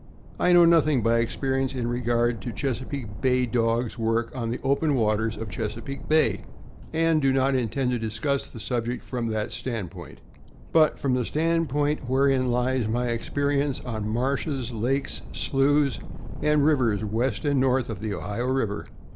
I know nothing, by experience, in regard to the Chesa peake Bay Dog' s work on the open waters of Chesapeake Bay, and do not intend to discuss the subject from that (357) 358 THE AMEEICAN BOOK OF THE DOG. stand point, but from the stand point wherein lies my expe rience— the marshes, lakes, sloughs, and rivers west and north of the Ohio River.